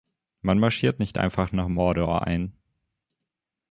Man marschiert nicht einfach nach Mordor ein.